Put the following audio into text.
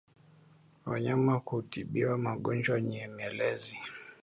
Wanyama hutibiwa magonjwa nyemelezi